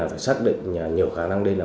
phải xác định nhiều khả năng đây là